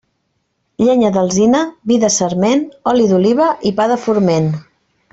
Llenya d'alzina, vi de sarment, oli d'oliva i pa de forment.